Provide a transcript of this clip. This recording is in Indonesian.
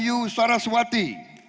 ibu rahayu saraswati